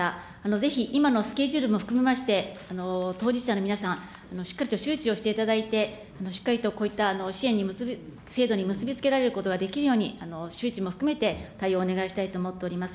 ぜひ、今のスケジュールも含めまして、当事者の皆さん、しっかりと周知をしていただいて、しっかりとこういった制度に結び付けることができますように、周知も含めて、対応をお願いしたいと思っております。